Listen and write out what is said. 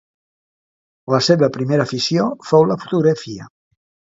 La seva primera afició fou la fotografia.